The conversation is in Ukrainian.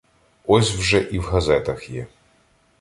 Ось вже і в газетах є.